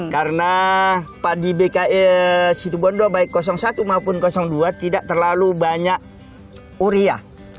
karena padi bk situbondo baik satu maupun dua tidak terlalu banyak uria